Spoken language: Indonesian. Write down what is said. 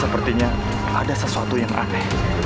sepertinya ada sesuatu yang rame